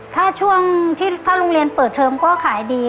ถ้าช่วงที่ถ้าโรงเรียนเปิดเทอมก็ขายดี